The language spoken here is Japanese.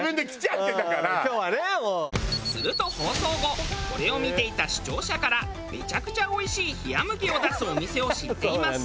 すると放送後これを見ていた視聴者から「めちゃくちゃおいしい冷麦を出すお店を知っています」